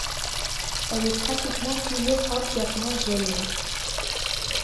Elle est pratiquement toujours entièrement gelée.